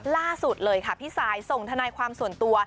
ล่าสุดเลยค่ะพี่ซายส่งทนายความส่วนตัว